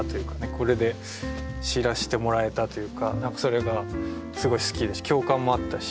これで知らしてもらえたというか何かそれがすごい好きですし共感もあったし。